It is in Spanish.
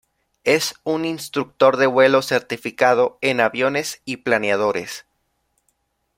Es un instructor de vuelo certificado en aviones y planeadores.